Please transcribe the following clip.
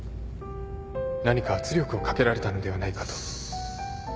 何か圧力をかけられたのではないかと。